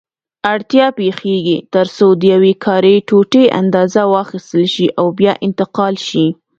اړتیا پېښېږي ترڅو د یوې کاري ټوټې اندازه واخیستل شي او بیا انتقال شي.